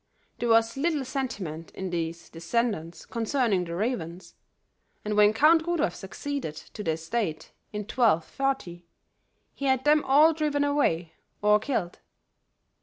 There was little sentiment in these descendants concerning the ravens, and when Count Rudolph succeeded to the estate in 1240, he had them all driven away or killed.